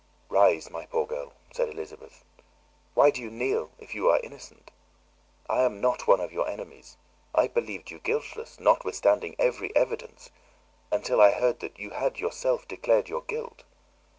"Rise, my poor girl," said Elizabeth; "why do you kneel, if you are innocent? I am not one of your enemies, I believed you guiltless, notwithstanding every evidence, until I heard that you had yourself declared your guilt.